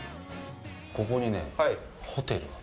ここにね、ホテルが。